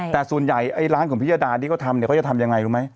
แต่ส่วนใหญ่ร้านของพิยดานี้เขาทำเนี่ย